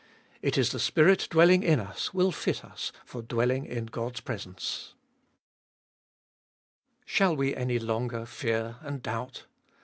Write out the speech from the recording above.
It is the Spirit dwelling in us will fit us for dwelling in God's presence. 1. Shall we any longer fear and doubt?